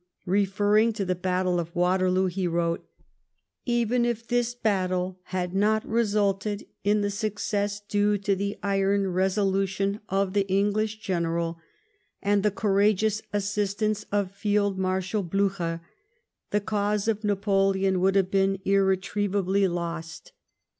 Referring to the battle of Waterloo, he wrote :" Even if this battle bad not rcsulfed in tlic success due to tlie iron resolution of the English general, and the courageous assistance of Field lMarshnl IJlUchcr, tlie cause of Napoleon would have been irretrievably lost.